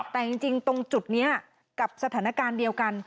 แต่จริงตรงจุดนี้กับสถานการณ์เดียวกัน